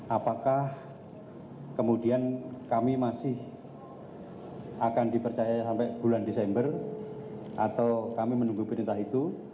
apakah kemudian kami masih akan dipercaya sampai bulan desember atau kami menunggu perintah itu